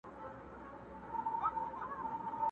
یو څه ملنګ یې یو څه شاعر یې،،!